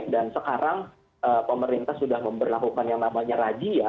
dan sekarang pemerintah sudah memperlakukan yang namanya radia